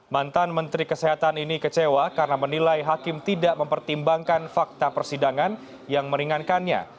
mantan menteri kesehatan ini kecewa karena menilai hakim tidak mempertimbangkan fakta persidangan yang meringankannya